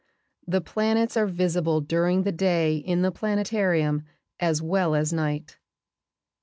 The planets are visible during the day in the planetarium as well as night.